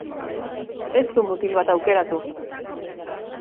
Ez du mutil bat aukeratu.